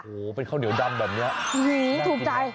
โหเป็นข้าวเหนียวดำแบบนี้น่าสนใจ